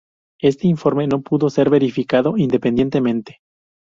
Este informe no pudo ser verificado independientemente.